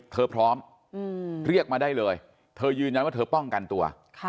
พร้อมเรียกมาได้เลยเธอยืนยันว่าเธอป้องกันตัว